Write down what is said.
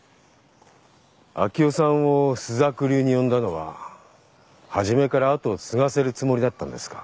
明生さんを朱雀流に呼んだのは初めから跡を継がせるつもりだったんですか？